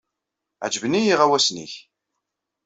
Ɛejben-iyi yiɣawasen-nnek.